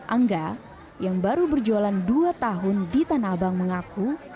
angga yang baru berjualan dua tahun di tanah abang mengaku